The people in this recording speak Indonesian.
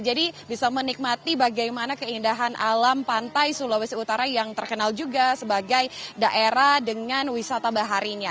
jadi bisa menikmati bagaimana keindahan alam pantai sulawesi utara yang terkenal juga sebagai daerah dengan wisata baharinya